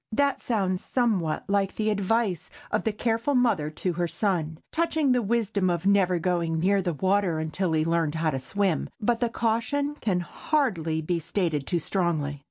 That sounds somewhat like the advice of the careful mother to her son, touching the wisdom of never going near the water until he learned how to swim—but the caution can hardly be stated too strongly.